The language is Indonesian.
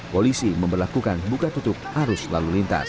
polisi memperlakukan buka tutup arus lalu lintas